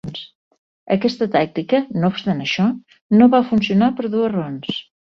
Aquesta tàctica, no obstant això, no va funcionar per dues raons.